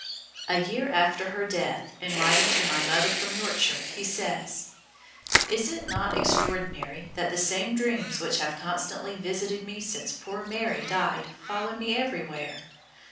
A year after her death, in writing to my mother from Yorkshire, he says: "Is it not extraordinary that the same dreams which have constantly visited me since poor Mary died follow me everywhere?